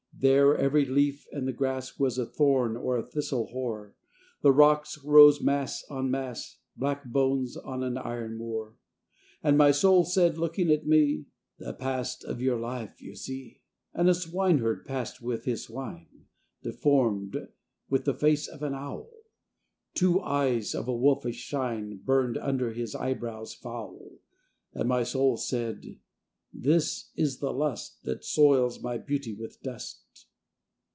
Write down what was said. There, every leaf and the grass Was a thorn or a thistle hoar, The rocks rose mass on mass, Black bones on an iron moor. And my soul said, looking at me, "The past of your life you see." And a swineherd passed with his swine, Deformed, with the face of an owl; Two eyes of a wolfish shine Burned under his eyebrows foul. And my soul said, "This is the Lust, That soils my beauty with dust."